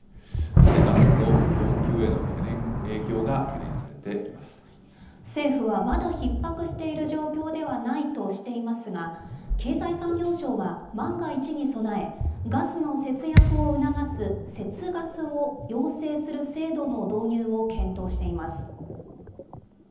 そしてガスの供給への影響が懸念政府はまだひっ迫している状況ではないとしていますが、経済産業省は、万が一に備え、ガスの節約を促す節ガスを要請する制度の導入を検討しています。